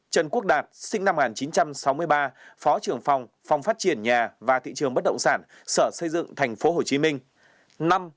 một trần quốc đạt sinh năm một nghìn chín trăm sáu mươi ba phó trưởng phòng phòng phát triển nhà và thị trường bất động sản sở xây dựng tp hcm